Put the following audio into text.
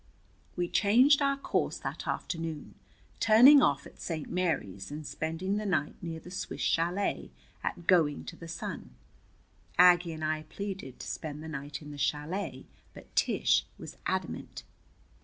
We changed our course that afternoon, turning off at Saint Mary's and spending the night near the Swiss Chalet at Going to the Sun. Aggie and I pleaded to spend the night in the chalet, but Tish was adamant.